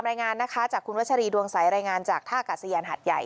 รายงานนะคะจากคุณวัชรีดวงใสรายงานจากท่ากาศยานหัดใหญ่